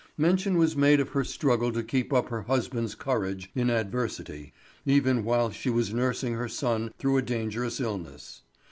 Mention was made of her struggle to keep up her husband's courage in adversity, even while she was nursing her son through a dangerous illness.